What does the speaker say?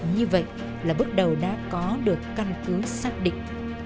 như vậy là bước đầu đã có được căn cứ xác định